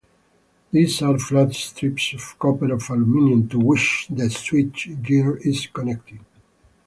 These are flat strips of copper or aluminum, to which the switchgear is connected.